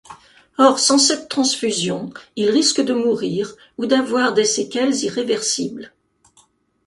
Or, sans cette transfusion, il risque de mourir ou d’avoir des séquelles irréversibles.